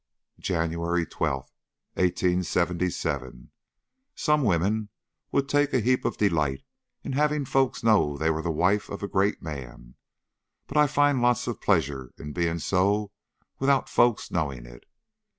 "JANUARY 12, 1877. Some women would take a heap of delight in having folks know they were the wife of a great man, but I find lots of pleasure in being so without folks knowing it.